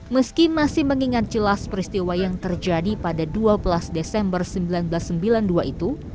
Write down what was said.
meski masih mengingat jelas peristiwa yang terjadi pada dua belas desember seribu sembilan ratus sembilan puluh dua itu